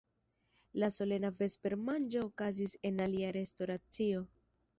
La solena vespermanĝo okazis en alia restoracio.